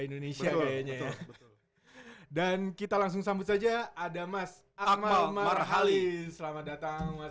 indonesia kayaknya dan kita langsung sambut saja ada mas ahmad marhali selamat datang mas